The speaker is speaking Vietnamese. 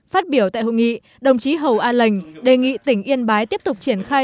phát biểu tại hội nghị đồng chí hồng an lệnh đề nghị tỉnh yên bái tiếp tục triển khai